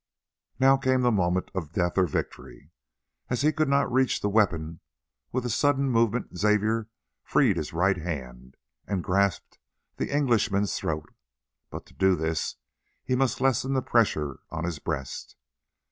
Now came the moment of death or victory. As he could not reach the weapon, with a sudden movement Xavier freed his right hand and grasped the Englishman's throat; but to do this he must lessen the pressure on his breast.